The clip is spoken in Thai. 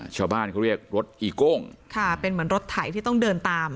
ชาวบ้านเขาเรียกรถอีโก้งค่ะเป็นเหมือนรถไถที่ต้องเดินตาม